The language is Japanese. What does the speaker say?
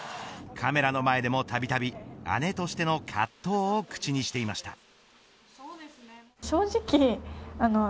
カメラの前でもたびたび姉としての葛藤を口にしていました。